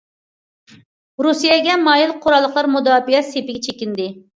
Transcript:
رۇسىيەگە مايىل قوراللىقلار مۇداپىئە سېپىگە چېكىندى.